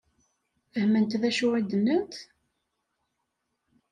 Fehment d acu i d-nnant?